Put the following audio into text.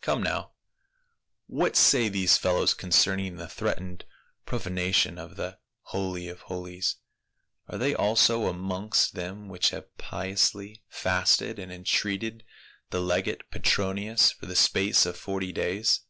Come now, what say these fellows concerning the threatened profanation of the Holy of Holies ? Are they also amongst them which have piously fasted and entreated the legate Petronius for the space of forty days